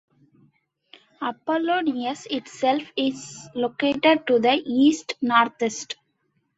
Apollonius itself is located to the east-northeast.